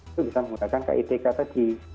itu bisa menggunakan kitk tadi